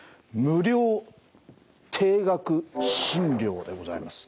無料低額診療でございます。